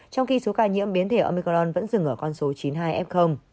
trong khi số ca nhiễm biến thể omicron vẫn dừng ở con số chín mươi hai f